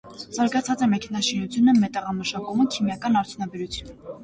Զարգացած է մեքենաշինությունը, մետաղամշակումը, քիմիական արդյունաբերությունը։